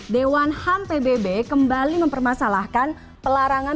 dewan ham pbb kembali mempermasalahkan pelarangan